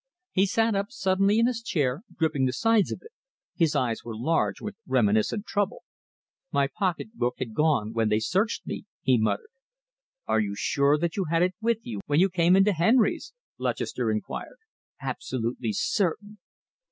He sat up suddenly in his chair, gripping the sides of it. His eyes were large with reminiscent trouble. "My pocketbook had gone when they searched me," he muttered. "Are you sure that you had it with you when you came into Henry's?" Lutchester inquired. "Absolutely certain."